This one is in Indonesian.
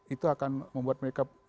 itu akan membuat mereka